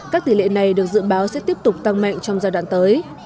các tỷ lệ này được dự báo sẽ tiếp tục tăng mạnh trong giai đoạn tới